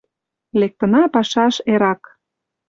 Лектына пашаш эрак!